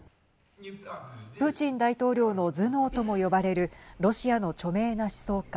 プーチン大統領の頭脳とも呼ばれるロシアの著名な思想家